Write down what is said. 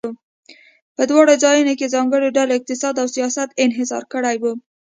په دواړو ځایونو کې ځانګړو ډلو اقتصاد او سیاست انحصار کړی و.